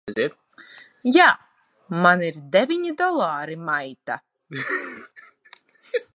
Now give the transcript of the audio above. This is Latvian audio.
Jā. Man ir deviņi dolāri, maita!